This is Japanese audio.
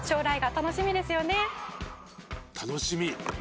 「楽しみ！」